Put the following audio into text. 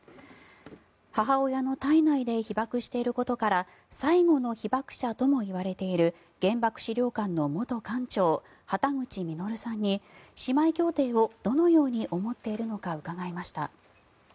母親の胎内で被爆していることから最後の被爆者ともいわれている原爆資料館の元館長畑口実さんに姉妹協定をどのように思っているのか伺いました。